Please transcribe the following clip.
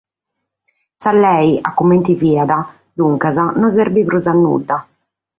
Sa lege comente fiat, duncas, non serbit prus a nudda.